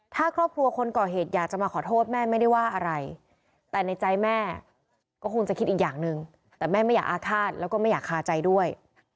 ถ้าครอบครัวคนก่อเหตุอยากจะมาขอโทษแม่ไม่ได้ว่าอะไรแต่ในใจแม่ก็คงจะคิดอีกอย่างหนึ่งแต่แม่ไม่อยากอาฆาตแล้วก็ไม่อยากคาใจด้วย